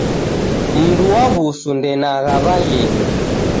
Mndu wa wusu ndenagha waghenyi